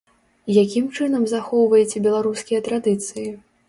Якім чынам захоўваеце беларускія традыцыі?